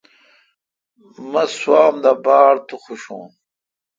مہ سوام دا باڑ تو خوشون۔